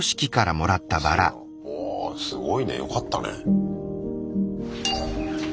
ああすごいねよかったね。